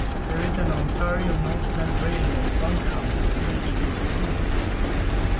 There is an Ontario Northland Railway bunkhouse that used to be a school.